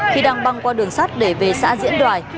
khi đang băng qua đường sắt để về xã diễn đoài